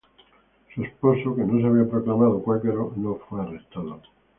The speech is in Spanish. Su esposo, que no se había proclamado cuáquero, no fue arrestado.